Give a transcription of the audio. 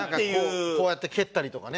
こうやって蹴ったりとかね。